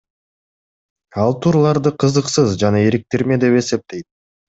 Ал турларды кызыксыз жана эриктирме деп эсептейт.